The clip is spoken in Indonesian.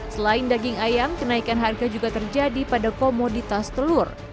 selain daging ayam kenaikan harga juga terjadi pada komoditas telur